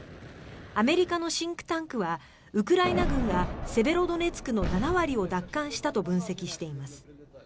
アメリカのシンクタンクはウクライナ軍がセベロドネツクの７割を奪還したと分析しています。